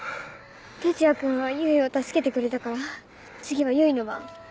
哲也君は唯を助けてくれたから次は唯の番。